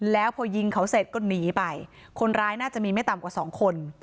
แล้วพอยิงเขาเสร็จก็หนีไปคนร้ายน่าจะมีไม่ต่ำกว่าสองคน